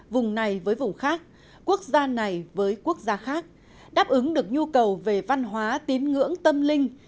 vùng này với vùng khác quốc gia này với quốc gia khác đáp ứng được nhu cầu về văn hóa tín ngưỡng tâm linh